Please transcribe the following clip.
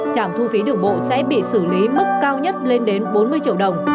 trạm thu phí đường bộ sẽ bị xử lý mức cao nhất lên đến bốn mươi triệu đồng